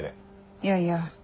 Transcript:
いやいや。